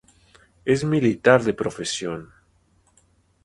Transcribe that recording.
Es militar de profesión.